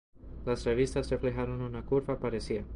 Las revistas reflejaron una curva parecida.